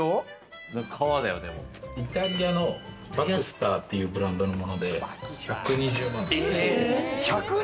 イタリアのバクスターというブランドのもので１２０万。